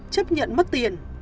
chấp nhận mất tiền